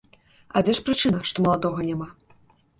А дзе ж прычына, што маладога няма?